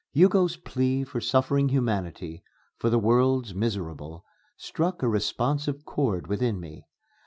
Hugo's plea for suffering Humanity for the world's miserable struck a responsive chord within me.